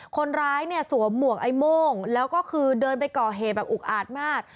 คนร้ายเนี่ยสวมหมวกไอ้โม่งแล้วก็คือเดินไปก่อเหตุแบบอุกอาจมาก